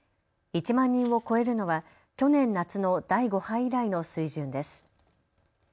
１万人を超えるのは去年夏の第５波以来の水準です。